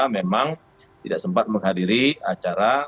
memang tidak sempat menghadiri acara